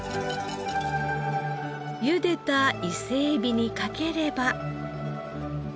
ゆでた伊勢エビにかければ。